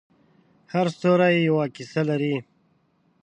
هر ستوری یوه کیسه لري.